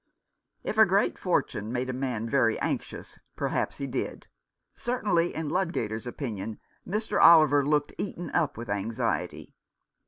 If a large fortune made a man very anxious, perhaps he did ; certainly, in Ludgater's opinion, Mr. Oliver looked eaten up with anxiety.